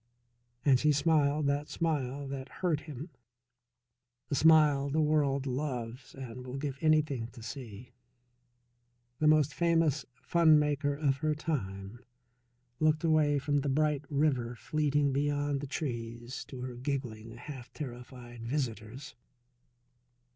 And she smiled that smile that hurt him, the smile the world loves and will give anything to see. The most famous funmaker of her time looked away from the bright river fleeting beyond the trees to her giggling, half terrified visitors.